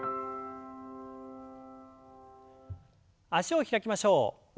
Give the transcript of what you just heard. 脚を開きましょう。